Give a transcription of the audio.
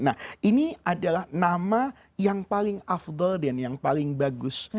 nah ini adalah nama yang paling afdol dan yang paling bagus